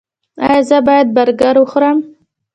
ایا زه باید برګر وخورم؟